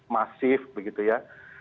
masif begitu ya